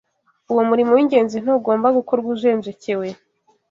Uwo murimo w’ingenzi ntugomba gukorwa ujenjekewe